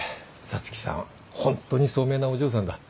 皐月さんは本当に聡明なお嬢さんだ。